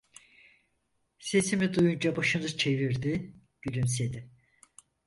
Sesimi duyunca başını çevirdi, gülümsedi.